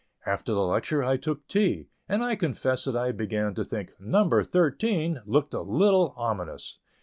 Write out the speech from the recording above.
After the lecture I took tea, and I confess that I began to think "number thirteen" looked a little ominous.